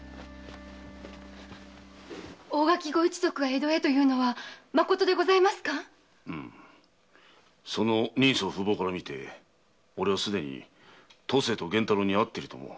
大垣ご一族が江戸へというのはまことですか⁉その人相・風貌からみて俺は既に登世と源太郎に会っていると思う。